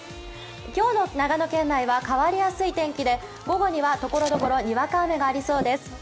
今日の長野県内は変わりやすい天気で午後にはところどころにわか雨がありそうです。